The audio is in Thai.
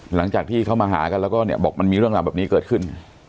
หลังจากที่เขามาหากันแล้วก็เนี่ยบอกมันมีเรื่องราวแบบนี้เกิดขึ้น